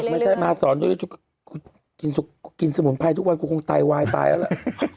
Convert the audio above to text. ไม่ได้มาซ้อนกินสมุนไพรทุกวันกูคงตายวายตายแล้ว